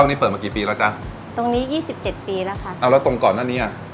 นี่เปิดมากี่ปีแล้วจ๊ะตรงนี้ยี่สิบเจ็ดปีแล้วค่ะเอาแล้วตรงก่อนหน้านี้อ่ะ